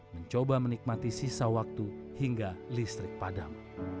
mencoba menikmati sisa waktu hingga listrik padam